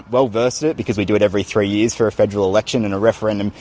karena kita melakukannya setiap tiga tahun untuk pilihan pemerintah dan referendum